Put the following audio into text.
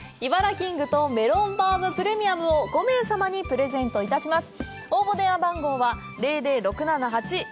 キングとメロンバウムプレミアムを５名様にプレゼントいたします。